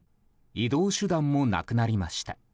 移動手段もなくなりました。